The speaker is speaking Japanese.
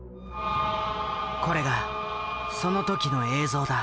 これがその時の映像だ。